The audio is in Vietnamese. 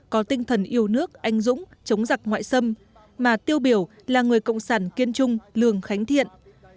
có tinh thần yêu nước anh dũng chống giặc ngoại xâm mà tiêu biểu là người cộng sản kiên trung lường khánh thiện